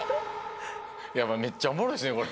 やっぱめっちゃおもろいですねこれ。